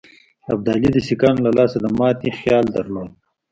ابدالي د سیکهانو له لاسه د ماتي خیال درلود.